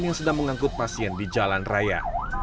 yang sedang mengangkut pasien di jalan raya